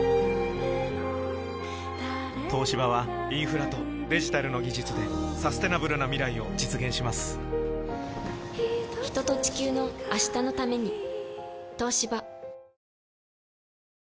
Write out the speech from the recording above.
東芝はインフラとデジタルの技術でサステナブルな未来を実現します人と、地球の、明日のために。